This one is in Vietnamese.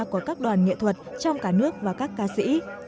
của các đoàn nghệ thuật trong cả nước và các ca sĩ